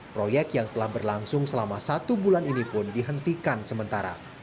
proyek yang telah berlangsung selama satu bulan ini pun dihentikan sementara